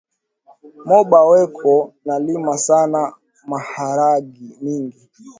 Moba weko na lima sana maharagi mingi